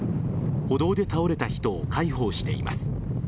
歩道で倒れた人を介抱しています。